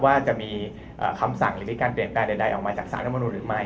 ว่าจะมีคำสั่งหรือมีการเปลี่ยนแปลงใดออกมาจากศาลนมนุษย์หรือไม่นะครับ